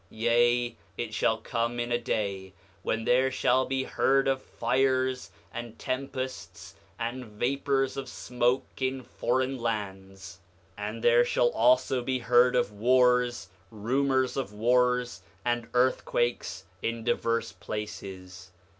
8:29 Yea, it shall come in a day when there shall be heard of fires, and tempests, and vapors of smoke in foreign lands; 8:30 And there shall also be heard of wars, rumors of wars, and earthquakes in divers places.